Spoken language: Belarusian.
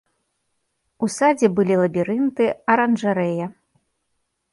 У садзе былі лабірынты, аранжарэя.